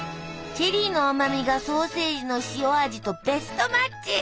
チェリーの甘みがソーセージの塩味とベストマッチ。